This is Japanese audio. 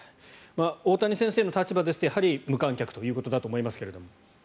大谷先生の立場ですとやはり無観客ということだと思いますが。